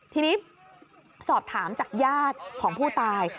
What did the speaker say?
ทีนี้สอบถามจากญาติของผู้ตาย